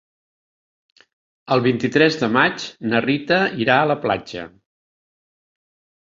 El vint-i-tres de maig na Rita irà a la platja.